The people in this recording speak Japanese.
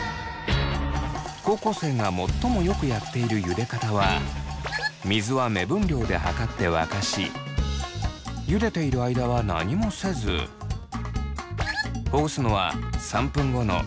高校生が最もよくやっているゆで方は水は目分量ではかって沸かしゆでている間は何もせずほぐすのは３分後のゆで上がりのタイミングです。